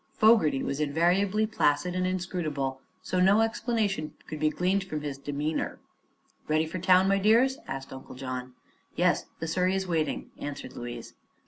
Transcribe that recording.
Fogerty was invariably placid and inscrutable, so no explanation could be gleaned from his demeanor. "Ready for town, my dears?" asked Uncle John. "Yes; the surrey is waiting," answered Louise.